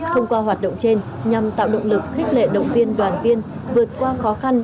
thông qua hoạt động trên nhằm tạo động lực khích lệ động viên đoàn viên vượt qua khó khăn